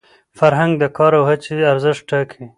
فرهنګ د کار او هڅي ارزښت ټاکي.